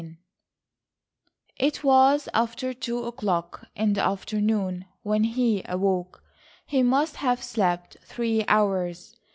IV It was after two o'clock in the afternoon when he awoke. He must have slept three hours.